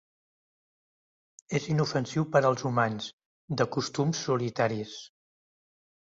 És inofensiu per als humans, de costums solitaris.